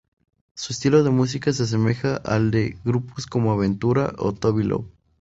Su estilo de música se asemeja al de grupos como Aventura o Toby Love.